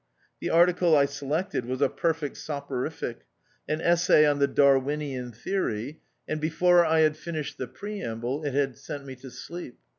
The article I selected was a perfect soporific — an essay on the Darwinian Theory, and THE OUTCAST 33 before I had finished the preamble, it had sent me to sleep.